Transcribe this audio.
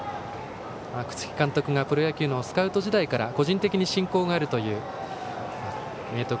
楠城監督がプロ野球のスカウト時代から個人的に親交があるという明徳